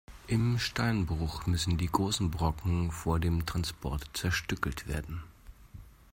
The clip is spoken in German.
Im Steinbruch müssen die großen Brocken vor dem Transport zerstückelt werden.